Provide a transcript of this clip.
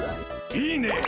いいね。